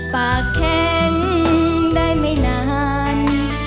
ปากแข็งได้ไม่นาน